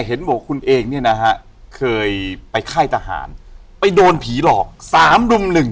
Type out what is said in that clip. เห็นบอกว่าคุณเองเนี่ยนะฮะเคยไปค่ายทหารไปโดนผีหลอกสามรุ่มหนึ่ง